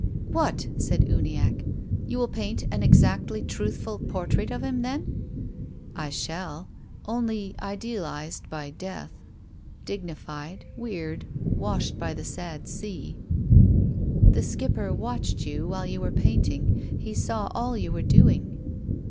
" What !" said Uniacke. " You will paint an exactly truthful portrait of him then ?"" I shall ; only idealised by death, dignified, weird, washed by the sad sea." " The Skipper watched you while you were paint ing. Me saw all you were doing."